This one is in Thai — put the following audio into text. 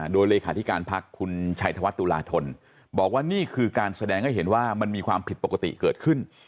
โดยเลขาธิการพักคุณชัยธวัฒนตุลาธนบอกว่านี่คือการแสดงให้เห็นว่ามันมีความผิดปกติเกิดขึ้น